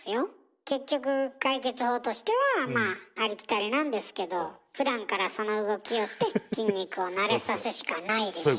結局解決法としてはまあありきたりなんですけどふだんからその動きをして筋肉を慣れさすしかないでしょう。